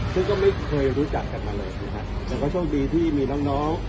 ซึ่งก็ไม่เคยรู้จักกันมาเลยนะฮะแต่ก็โชคดีที่มีน้องน้อง